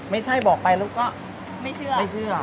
ไม่ใช่บอกไปแล้วก็ไม่เชื่อ